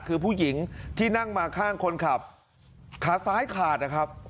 คือผู้หญิงที่นั่งมาข้างคนขับขาซ้ายขาดนะครับ